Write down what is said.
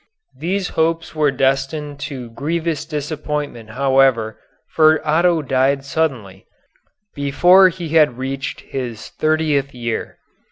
These hopes were destined to grievous disappointment, however, for Otto died suddenly, before he had reached his thirtieth year.